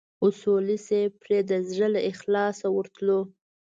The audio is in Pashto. اصولي صیب پرې د زړه له اخلاصه ورتلو.